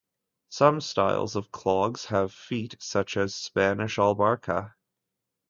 Some styles of clogs have "feet", such as Spanish albarca.